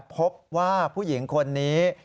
พบว่าผู้หญิงคนนี้